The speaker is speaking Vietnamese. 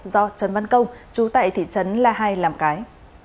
do trần văn công chú tại thị trấn la hai làm cái